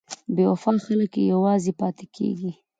بې وفا خلک یوازې پاتې کېږي.